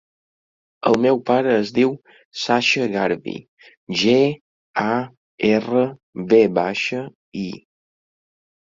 El meu pare es diu Sasha Garvi: ge, a, erra, ve baixa, i.